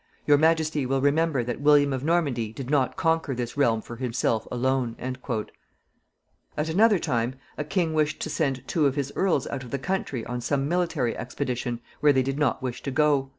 "Your majesty will remember that William of Normandy did not conquer this realm for himself alone." At another time a king wished to send two of his earls out of the country on some military expedition where they did not wish to go.